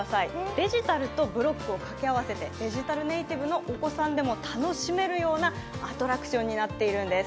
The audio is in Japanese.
デジタルとブロックを掛け合わせてデジタルネイティブのお子さんでも楽しめるようなアトラクションになっているんです。